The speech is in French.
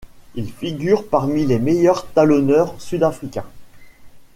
Il figure parmi les meilleurs talonneurs sud-africains.